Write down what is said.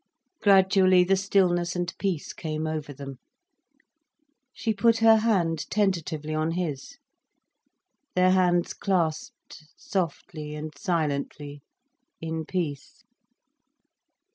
Gradually, the stillness and peace came over them. She put her hand tentatively on his. Their hands clasped softly and silently, in peace.